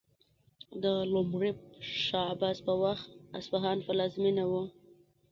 د لومړي شاه عباس په وخت اصفهان پلازمینه و.